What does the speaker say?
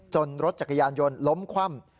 รถจักรยานยนต์ล้มคว่ำ